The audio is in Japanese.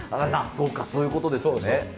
そうか、そういうことですよね。